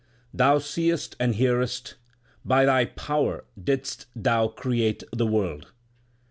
Thou seest and hearest ; by Thy power didst Thou create the world.